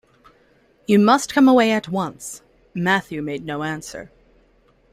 “You must come away at once.” Matthew made no answer.